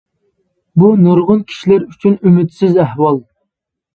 بۇ نۇرغۇن كىشىلەر ئۈچۈن ئۈمىدسىز ئەھۋال.